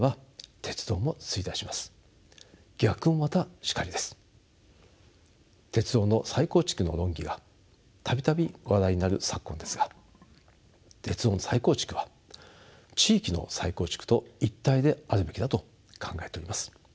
鉄道の再構築の論議が度々話題になる昨今ですが鉄道の再構築は地域の再構築と一体であるべきだと考えております。